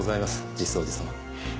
実相寺様。